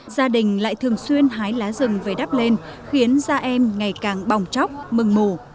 gia đình lại thường xuyên hái lá rừng về đắp lên khiến da em ngày càng bòng tróc mừng mù